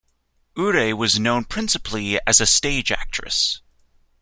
Ure was known principally as a stage actress.